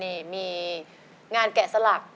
เด็ดมีงานแกะสละก